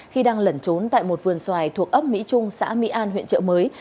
khi đang lẩn trốn tại một vườn xoài thuộc ấp mỹ trung xã mỹ an huyện trợ mới